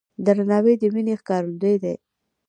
درناوی د مینې ښکارندوی دی.